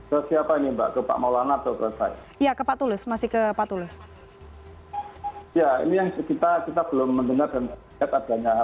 kalau tidak makanya kita diminta orthodox kemudian banco